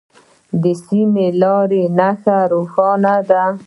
د سمې لارې نښه روښانه ده.